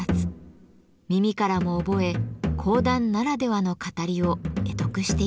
耳からも覚え講談ならではの語りを会得していったといいます。